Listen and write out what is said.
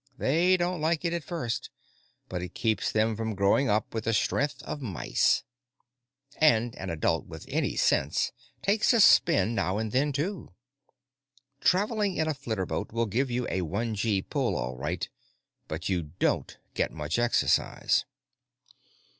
They don't like it at first, but it keeps them from growing up with the strength of mice. And an adult with any sense takes a spin now and then, too. Traveling in a flitterboat will give you a one gee pull, all right, but you don't get much exercise.